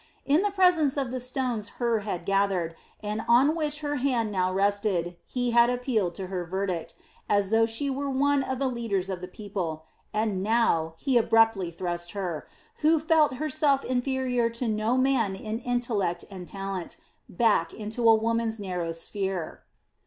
In the presence of the stones Hur had gathered, and on which her hand now rested, he had appealed to her verdict, as though she were one of the leaders of the people, and now he abruptly thrust her, who felt herself inferior to no man in intellect and talent, back into a woman's narrow sphere.